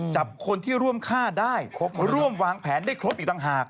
จับคนที่ร่วมฆ่าได้ร่วมวางแผนได้ครบอีกต่างหาก